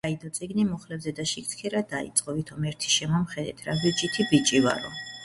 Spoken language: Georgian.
დაიდო წიგნი მუხლებზე და შიგ ცქერა დიწყო, ვითომ ერთი შემომხედეთ, რა ბეჯითი ბიჭი ვარო.